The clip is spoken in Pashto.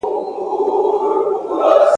املا د زده کړي د بهیر یو بنسټیز جز دی.